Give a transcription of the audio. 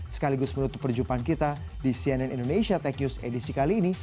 sekaligus menutup perjumpaan kita di cnn indonesia tech news edisi kali ini